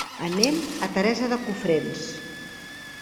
Anem a Teresa de Cofrents.